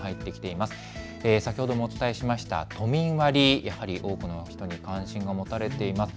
先ほどもお伝えしました都民割、やはり多くの人に関心を持たれています。